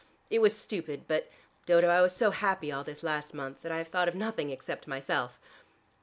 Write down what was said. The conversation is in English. It was stupid, but, Dodo, I was so happy all this last month, that I have thought of nothing except myself."